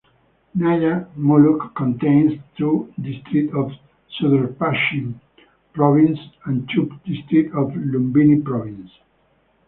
Naya muluk contains two district of Sudurpashchim province and two district of Lumbini Province.